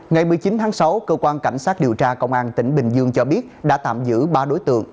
ngày một mươi chín tháng sáu cơ quan cảnh sát điều tra công an tỉnh bình dương cho biết đã tạm giữ ba đối tượng